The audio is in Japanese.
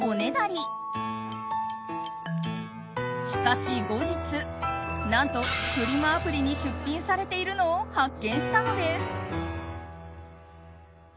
しかし後日何と、フリマアプリに出品されているのを発見したのです。